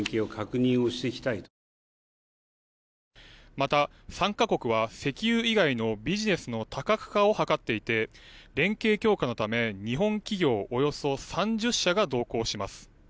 また、参加国は石油以外のビジネスの多角化を図っていて連携強化のため日本企業およそ３０社が同行します。